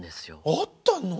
あったの？